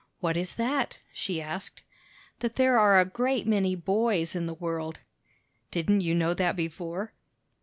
"What is that?" she asked. "That there are a great many boys in the world." "Didn't you know that before?"